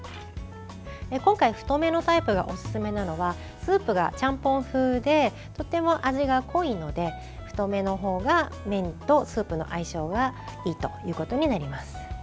今回、太めのタイプがおすすめなのはスープがちゃんぽん風でとても味が濃いので太めの方が、麺とスープの相性がいいということになります。